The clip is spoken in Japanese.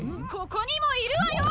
・ここにもいるわよ！